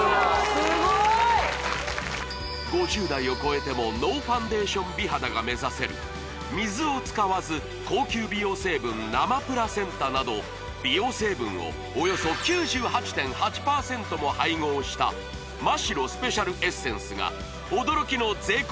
すごーい５０代を超えてもノーファンデーション美肌が目指せる水を使わず高級美容成分生プラセンタなど美容成分をおよそ９８．８％も配合したマ・シロスペシャルエッセンスが驚きの税込